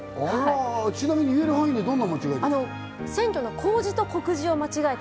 ちなみに言える範囲でどんな間違い？